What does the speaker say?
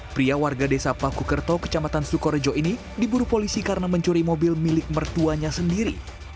pria warga desa pakukerto kecamatan sukorejo ini diburu polisi karena mencuri mobil milik mertuanya sendiri